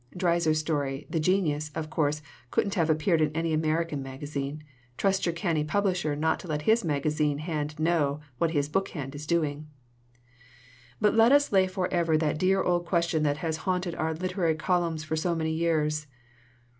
(Dreiser's story, 'The "Genius,"' of course couldn't have appeared in any American magazine. Trust your canny publisher not to let his magazine hand know what his book hand is doing!) "But let us lay forever that dear old question that has haunted our literary columns for so many years.